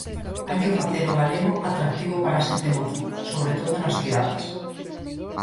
Hai que facer o galego atractivo para a xente moza, sobre todo nas cidades.